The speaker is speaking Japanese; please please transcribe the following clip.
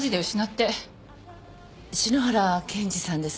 篠原健治さんですね。